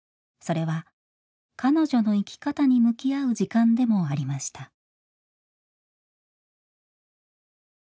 それは彼女の生き方に向き合う時間でもありました。